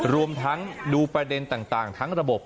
รวมทั้งดูประเด็นต่างทั้งระบบ